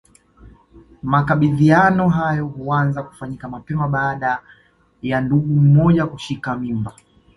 Makabidhiano hayo huanza kufanyika mapema baada ya ndugu mmoja kushika mimba